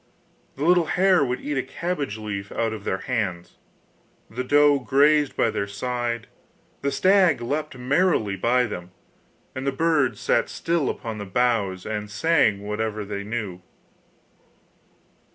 The little hare would eat a cabbage leaf out of their hands, the roe grazed by their side, the stag leapt merrily by them, and the birds sat still upon the boughs, and sang whatever they knew.